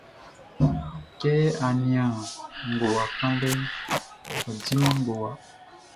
Kɛ á nían ngowa kanlɛʼn, ɔ diman ngowa.